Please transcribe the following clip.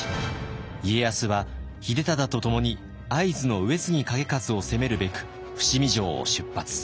家康は秀忠と共に会津の上杉景勝を攻めるべく伏見城を出発。